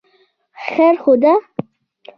خیر خو دی.